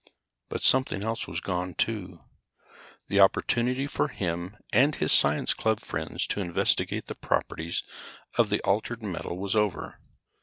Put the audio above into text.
But something else was gone, too. The opportunity for him and his science club friends to investigate the properties of the altered metal was over.